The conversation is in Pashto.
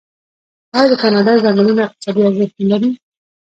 آیا د کاناډا ځنګلونه اقتصادي ارزښت نلري؟